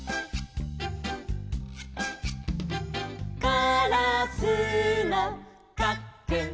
「カラスのかっくん」